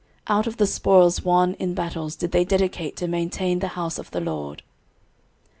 13:026:027 Out of the spoils won in battles did they dedicate to maintain the house of the LORD.